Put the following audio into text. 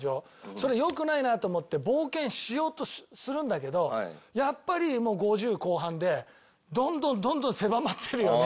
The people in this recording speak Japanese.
それ良くないなと思って冒険しようとするんだけどやっぱりもう５０後半でどんどんどんどん狭まってるよね。